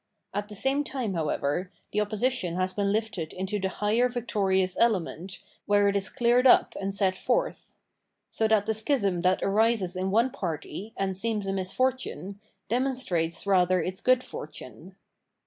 At the same time, however, the opposition has been lifted into the higher victorious element, where it is cleared up and set forth. So that the schism that arises in one party, and seems a misfortune, demonstrates rather its good fortune.